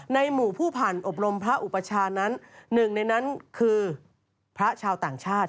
ในหมู่ผู้ผ่านอบรมพระอุปชานั้นหนึ่งในนั้นคือพระชาวต่างชาติ